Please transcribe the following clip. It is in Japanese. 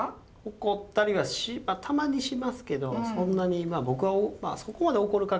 怒ったりはたまにしますけどそんなに僕はそこまで怒る係ではないので。